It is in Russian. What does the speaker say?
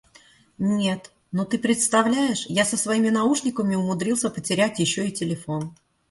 Нет, ну ты представляешь, я со своими наушниками умудрился потерять ещё и телефон!